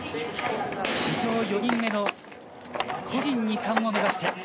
史上４人目の個人２冠を目指して。